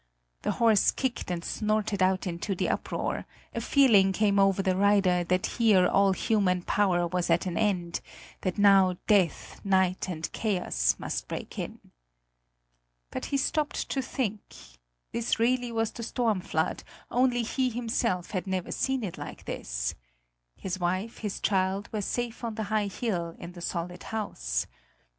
The horse kicked and snorted out into the uproar; a feeling came over the rider that here all human power was at an end; that now death, night, and chaos must break in. But he stopped to think: this really was the storm flood; only he himself had never seen it like this. His wife, his child, were safe on the high hill, in the solid house.